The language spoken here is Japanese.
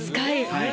はい。